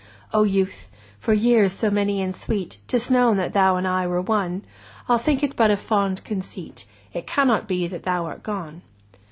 O Youth! for years so many and sweet, 25 'Tis known that thou and I were one; I'll think it but a fond conceit— It cannot be that thou art gone!